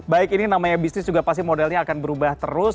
baik ini namanya bisnis juga pasti modelnya akan berubah terus